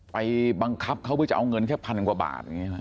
ไปบังคับเขาเพื่อจะเอาเงินแค่๑๐๐๐กว่าบาท